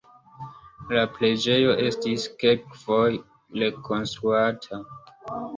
La preĝejo estis kelkfoje rekonstruata.